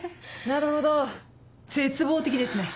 なるほど絶望的ですね。